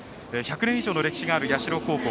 １００年以上の歴史がある社高校。